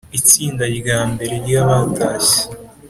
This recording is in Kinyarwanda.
istinda rya mbere ryabatashye